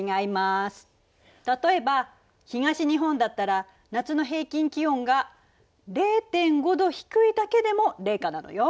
例えば東日本だったら夏の平均気温が０．５℃低いだけでも冷夏なのよ。